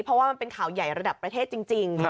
เพราะว่ามันเป็นข่าวใหญ่ระดับประเทศจริง